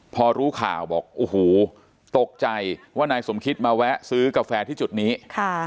พอรู้ข่าวบอกโอ้โหตกใจว่านายสมคิตมาแวะซื้อกาแฟที่จุดนี้ค่ะ